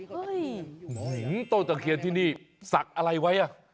หื้อต้นตะเขียนที่นี่สักอะไรไว้อ่ะ